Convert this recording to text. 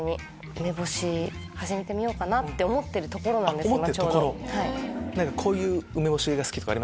梅干し始めてみようかなって思ってるところなんです今。